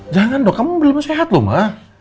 jangan dong kamu belum sehat loh ma